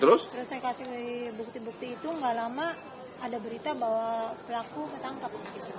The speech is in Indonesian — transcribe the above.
terus saya kasih bukti bukti itu gak lama ada berita bahwa pelaku ketangkep